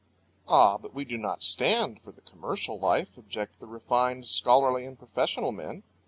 "Ah, but we do not stand for the commercial life," object the refined, scholarly, and professional men.